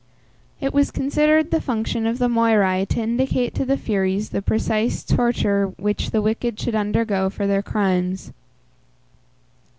It was considered the function of the Moiræ to indicate to the Furies the precise torture which the wicked should undergo for their crimes.